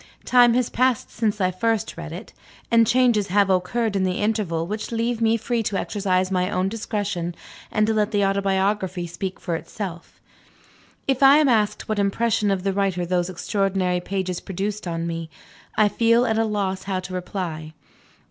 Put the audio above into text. Time has passed since I first read it, and changes have occurred in the interval, which leave me free to exercise my own discretion, and to let the autobiography speak for itself. If I am asked what impression of the writer those extraordinary pages produced on me, I feel at a loss how to reply.